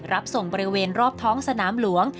รับส่งบริเวณรอบท้องสนามหลวง